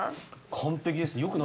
完璧です。